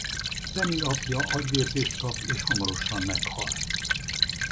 Penny apja agyvérzést kap és hamarosan meghal.